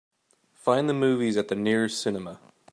Find the movies at the nearest cinema.